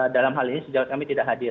dalam hal ini sejawat kami